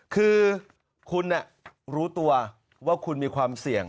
คือคุณรู้ตัวว่าคุณมีความเสี่ยง